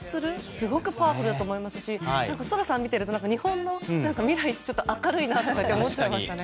すごくパワフルだと思いますし想空さんを見てると日本の未来って明るいなと思いましたね。